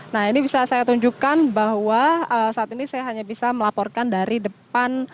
nah ini bisa saya tunjukkan bahwa saat ini saya hanya bisa melaporkan dari depan